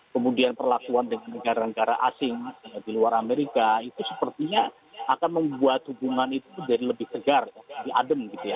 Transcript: kemudian perlakuan dengan negara negara asing di luar amerika itu sepertinya akan membuat hubungan itu jadi lebih segar lebih adem gitu ya